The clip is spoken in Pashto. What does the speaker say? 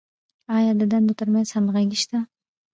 آیا د دندو تر منځ همغږي شته؟